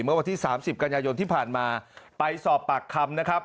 เมื่อวันที่๓๐กันยายนที่ผ่านมาไปสอบปากคำนะครับ